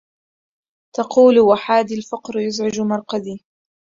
تقول وحادي الفقر يزعج مرقدي